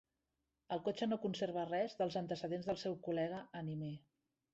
El cotxe no conserva res dels antecedents del seu col·lega anime.